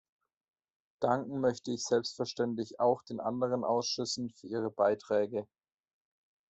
Danken möchte ich selbstverständlich auch den anderen Ausschüssen für ihre Beiträge.